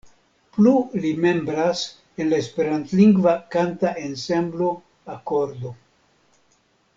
Plu li membras en la esperantlingva kanta ensemblo Akordo.